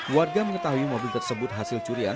warga mengetahui mobil tersebut hasil curian